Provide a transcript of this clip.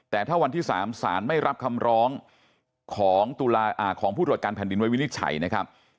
แต่ถ้าวันที่๓สารไม่รับคำร้องของผู้ตรวจการแผ่นดินไว้วินิจฉัยนะครับ